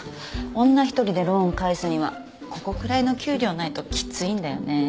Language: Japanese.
女一人でローン返すにはここくらいの給料ないときついんだよね。